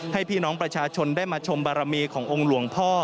ให้พี่น้องประชาชนได้มาชมบารมีขององค์หลวงพ่อ